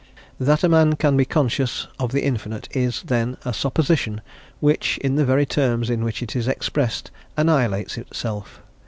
"That a man can be conscious of the infinite is, then, a supposition which, in the very terms in which it is expressed, annihilates itself....